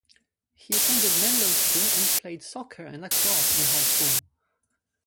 He attended Menlo School and played soccer and lacrosse in high school.